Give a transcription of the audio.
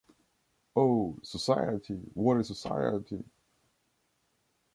Oh! Society! What a society!